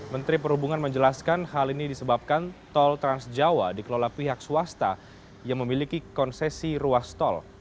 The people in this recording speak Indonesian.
menteri perhubungan menjelaskan hal ini disebabkan tol transjawa dikelola pihak swasta yang memiliki konsesi ruas tol